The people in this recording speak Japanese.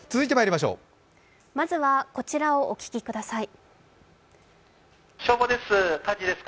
まずは、こちらをお聞きください。